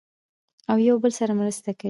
او یو بل سره مرسته کوي.